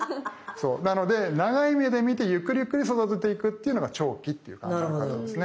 なので長い目で見てゆっくりゆっくりそだてていくっていうのが長期っていう考え方ですね。